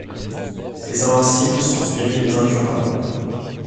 Les invincibles sont suivis des incurables.